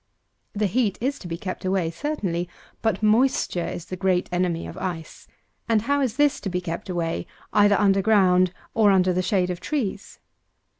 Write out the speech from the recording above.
The heat is to be kept away certainly; but moisture is the great enemy of Ice; and how is this to be kept away either under ground, or under the shade of trees?